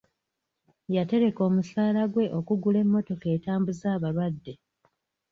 Yatereka omusaala gwe okugula emmotoka etambuza abalwadde.